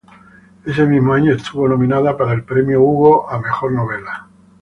Ese mismo año estuvo nominada para el Premio Hugo a mejor novela.